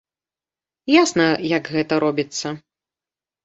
Ясна, як гэта робіцца.